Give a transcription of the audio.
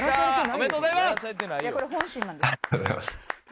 おめでとうございます！